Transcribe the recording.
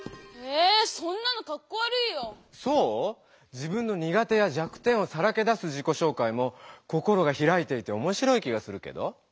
自分のにが手や弱点をさらけ出す自己紹介も心がひらいていておもしろい気がするけど？